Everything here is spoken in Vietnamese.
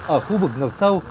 ở khu vực ngập sâu